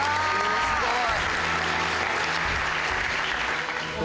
すごい。